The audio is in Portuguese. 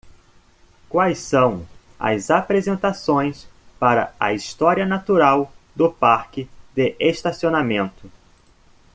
Quais são as apresentações para a história natural do parque de estacionamento